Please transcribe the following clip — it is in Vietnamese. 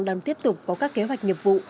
đang tiếp tục có các kế hoạch nhập vụ